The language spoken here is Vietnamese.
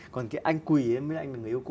còn cái anh quỳ ấy mới là anh người yêu cũ